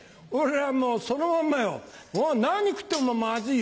もうそのまんまよ何食ってもまずいよ！